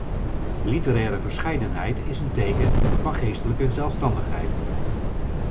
Literaire verscheidenheid is een teken van geestelijke zelfstandigheid.